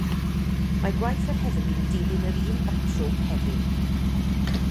Mae gwaith yr heddlu'n dilyn yr un batrwm heddiw.